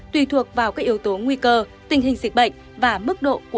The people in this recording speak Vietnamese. tùy thuộc vào các yếu tố nguy cơ tình hình dịch bệnh và mức độ của ổ dịch